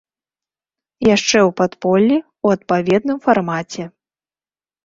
Яшчэ ў падполлі, у адпаведным фармаце.